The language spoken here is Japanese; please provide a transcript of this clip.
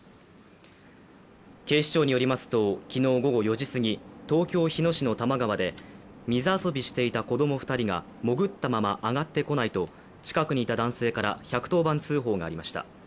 警視庁によりますと昨日午後４時すぎ東京・日野市の多摩川で水遊びしていた子供２人が潜ったまま上がってこないと近くにいた男性から１１０番通報がありました。